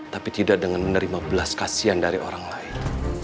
tapi tidak dengan menerima belas kasihan dari orang lain